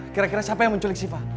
kira kira siapa yang menculik siva